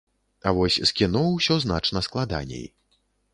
А вось з кіно ўсё значна складаней.